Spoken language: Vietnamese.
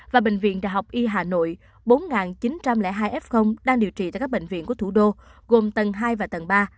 và bệnh viện đại học y hà nội bốn chín trăm linh hai f đang điều trị tại các bệnh viện của thủ đô gồm tầng hai và tầng ba